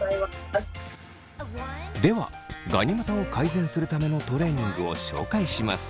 ではガニ股を改善するためのトレーニングを紹介します。